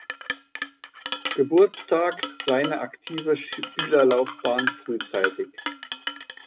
Geburtstag seine aktive Spielerlaufbahn frühzeitig.